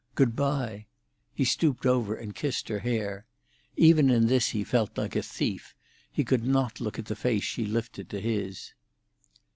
Good bye." He stooped over and kissed her hair. Even in this he felt like a thief; he could not look at the face she lifted to his.